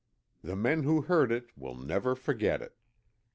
The men who heard it will never forget it.